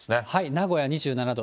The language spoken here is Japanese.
名古屋２７度。